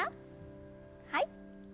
はい。